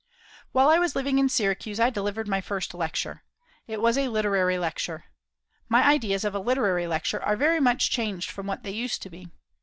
While I was living in Syracuse I delivered my first lecture. It was a literary lecture. My ideas of a literary lecture are very much changed from what they used to be.